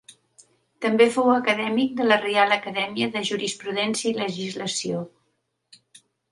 També fou acadèmic de la Reial Acadèmia de Jurisprudència i Legislació.